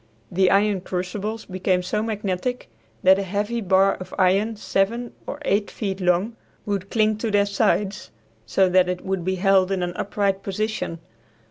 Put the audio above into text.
The iron crucibles became so magnetic that a heavy bar of iron seven or eight feet long would cling to their sides, so that it would be held in an upright position.